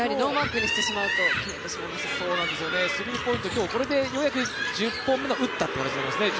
今日、これでようやく１０本目を打ったという形になりますね。